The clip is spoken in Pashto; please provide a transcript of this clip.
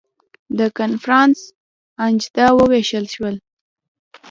د کنفرانس اجندا وویشل شول.